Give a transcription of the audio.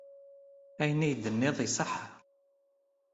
Ayen ay d-tenniḍ iṣeḥḥa.